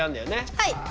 はい。